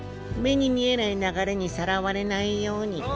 目に見えない流れにさらわれないように。